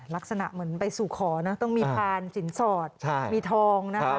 ลักษณะเหมือนไปสู่ขอนะต้องมีพานสินสอดมีทองนะครับ